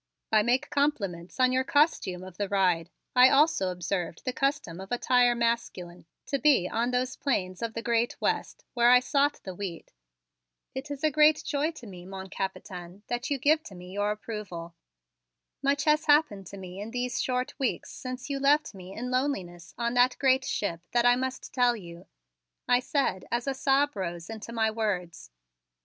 I make compliments on your costume of the ride. I also observed the custom of attire masculine to be on those plains of the great West where I sought the wheat." "It is a great joy to me, mon Capitaine, that you give to me your approval. Much has happened to me in these short weeks since you left me in loneliness on that great ship that I must tell to you," I said as a sob rose into my words.